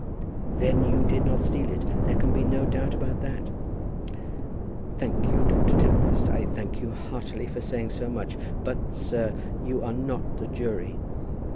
"Then you did not steal it. There can be no doubt about that." "Thank you, Dr. Tempest. I thank you heartily for saying so much. But, sir, you are not the jury.